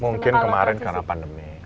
mungkin kemarin karena pandemi